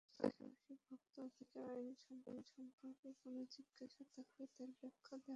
পাশাপাশি ভোক্তা অধিকার আইন সম্পর্কে কোনো জিজ্ঞাসা থাকলে তার ব্যাখ্যাও দেওয়া হবে।